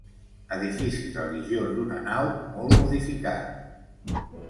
Edifici religiós d'una nau, molt modificat.